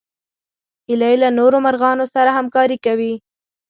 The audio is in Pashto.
هیلۍ له نورو مرغانو سره همکاري کوي